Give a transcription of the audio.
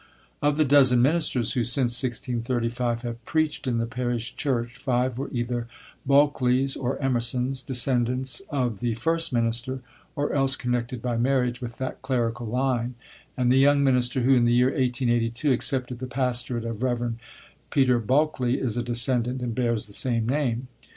Of the dozen ministers who, since 1635, have preached in the parish church, five were either Bulkeleys or Emersons, descendants of the first minister, or else connected by marriage with that clerical line; and the young minister who, in the year 1882, accepted the pastorate of Rev. Peter Bulkeley, is a descendant, and bears the same name.